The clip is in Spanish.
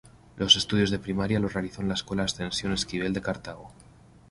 Los estudios de primaria los realizó en la Escuela Ascensión Esquivel de Cartago.